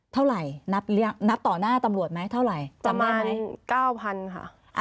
เท่าไหร่นับหรือยังนับต่อหน้าตำรวจไหมเท่าไหร่ประมาณเก้าพันค่ะ